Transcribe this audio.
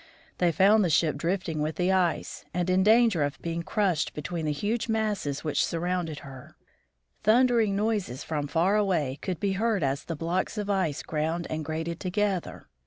They found the ship drifting with the ice, and in danger of being crushed between the The "Jeannette" in the Ice Pack. huge masses which surrounded her. Thundering noises from far away could be heard as the blocks of ice ground and grated together.